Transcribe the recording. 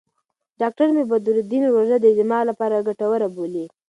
ډاکټره مي بدرالدین روژه د دماغ لپاره ګټوره بولي.